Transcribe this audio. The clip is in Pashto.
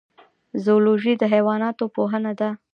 زولوژی د حیواناتو پوهنه ده